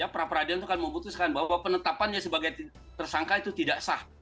pra peradilan itu akan memutuskan bahwa penetapannya sebagai tersangka itu tidak sah